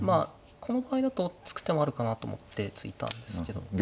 この場合だと突く手もあるかなと思って突いたんですけど。